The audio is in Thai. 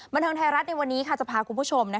บันเทิงไทยรัฐในวันนี้จะพาคุณผู้ชม